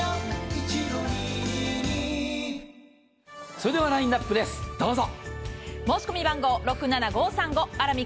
それではラインナップです、どうぞ。